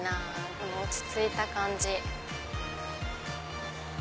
この落ち着いた感じ。